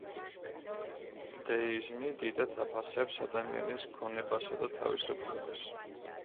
დეიზმი დიდად აფასებს ადამიანის გონებასა და თავისუფლებას.